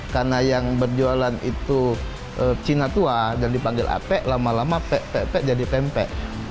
karena yang berjualan itu cina tua dan dipanggil apek lama lama pek pek jadi pempe